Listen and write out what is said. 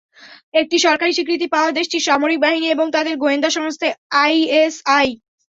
একটি সরকারি স্বীকৃতি পাওয়া দেশটির সামরিক বাহিনী এবং তাদের গোয়েন্দা সংস্থা আইএসআই।